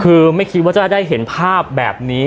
คือไม่คิดว่าจะได้เห็นภาพแบบนี้